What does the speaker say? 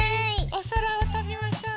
おそらをとびましょう。